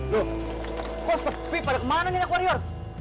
loh kok sepi pada kemana nih nak warior